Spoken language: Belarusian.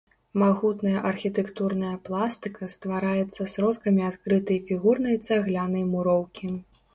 Магутная архітэктурная пластыка ствараецца сродкамі адкрытай фігурнай цаглянай муроўкі.